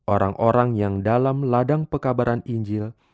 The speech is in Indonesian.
orang orang yang dalam ladang pekabaran injil